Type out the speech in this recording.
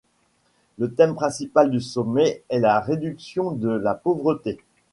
Le thème principal du sommet est la réduction de la pauvreté.